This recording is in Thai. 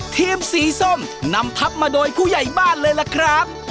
ทีมสีส้มนำทับมาโดยผู้ใหญ่บ้านเลยล่ะครับ